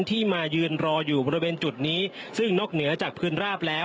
ที่มายืนรออยู่บริเวณจุดนี้ซึ่งนอกเหนือจากพื้นราบแล้ว